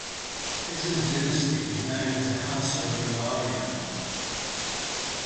Petah's dynasty is known as the House of Remaliah.